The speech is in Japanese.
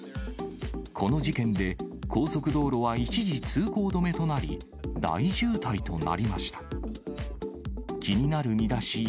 この事件で、高速道路は一時通行止めとなり、大渋滞となりました。